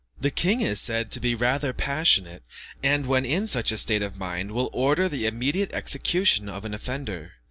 The king is said to be rather passionate, and when in such a state of mind, will order the immediate execution of an offender.